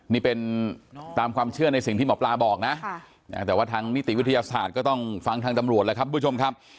นี่เป็นตามความเชื่อในสิ่งที่หมอปลาบอกนะแต่ว่าทางนิติวิทยาศาสตร์ก็ต้องฟังทางตำรวจแล้วครับคุณผู้ชมครับ